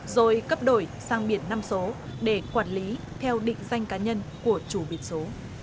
rồi cấp đổi sang biển năm số để quản lý theo định danh cá nhân của chủ biển số